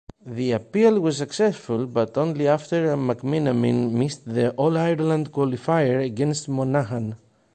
The appeal was successful but only after McMenamin missed the All-Ireland qualifier against Monaghan.